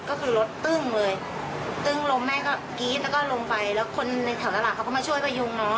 ก็คือรถตึ้งเลยตึ้งล้มแม่ก็กรี๊ดแล้วก็ลงไปแล้วคนในแถวตลาดเขาก็มาช่วยพยุงน้อง